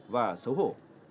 và xấu hổ